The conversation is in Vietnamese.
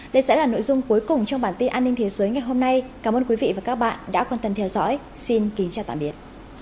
đây sẽ là nội dung cuối cùng trong bản tin an ninh thế giới ngày hôm nay cảm ơn quý vị và các bạn đã quan tâm theo dõi xin kính chào tạm biệt